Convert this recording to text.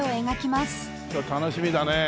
今日楽しみだねえ。